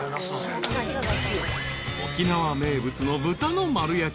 ［沖縄名物の豚の丸焼き。